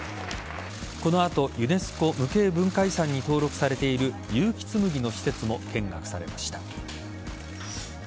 この後、ユネスコ無形文化遺産に登録されている結城紬の施設も見学されました。